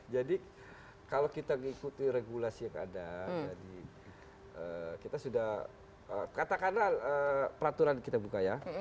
jadi kalau kita mengikuti regulasi yang ada jadi kita sudah katakanlah peraturan kita buka ya